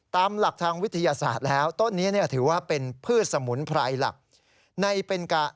ตามหลักทางวิทยาศาสตร์แล้วต้นนี้ถือว่าเป็นพืชสมุนไพรหลัก